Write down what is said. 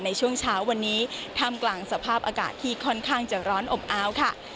ในช่วงเช้าวันนี้ท่ามกลางสภาพอากาศที่ค่อนข้างจะร้อนอบอ้าวค่ะ